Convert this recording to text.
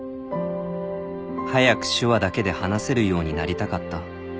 「早く手話だけで話せるようになりたかった」